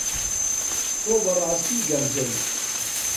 تۆ بەڕاستی گەمژەی.